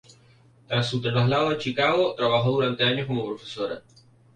Tras su traslado a Chicago, trabajó durante años como profesora.